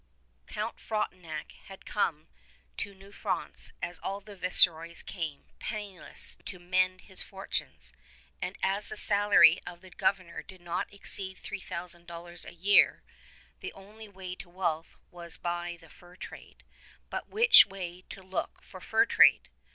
Count Frontenac had come to New France as all the viceroys came penniless, to mend his fortunes; and as the salary of the Governor did not exceed $3000 a year, the only way to wealth was by the fur trade; but which way to look for fur trade!